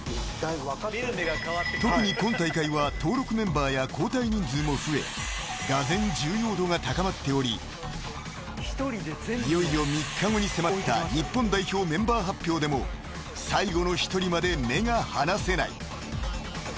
［特に今大会は登録メンバーや交代人数も増えがぜん重要度が高まっておりいよいよ３日後に迫った日本代表メンバー発表でも最後の１人まで目が離せない］